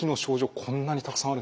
こんなにたくさんあるんですか？